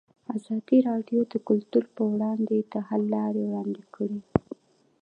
ازادي راډیو د کلتور پر وړاندې د حل لارې وړاندې کړي.